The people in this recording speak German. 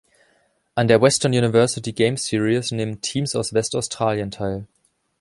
An der Western University Games Series nehmen Teams aus Westaustralien teil.